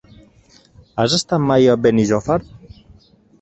Has estat mai a Benijòfar?